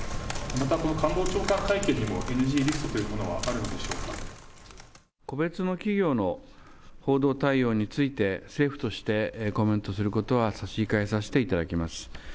またこの官房長官会見にもＮＧリストというものはあるのでしょう個別の企業の報道対応について、政府としてコメントすることは差し控えさせていただきます。